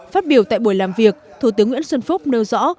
phát biểu tại buổi làm việc thủ tướng nguyễn xuân phúc nêu rõ